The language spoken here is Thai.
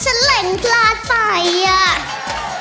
ฉันเหล่งกล้าตายอ่ะ